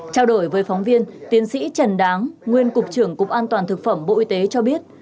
trao đổi với phóng viên tiến sĩ trần đáng nguyên cục trưởng cục an toàn thực phẩm bộ y tế cho biết